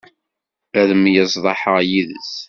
Ad myeẓḍaḥeɣ yid-s.